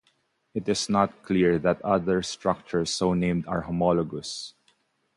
It is not clear that other structures so named are homologous.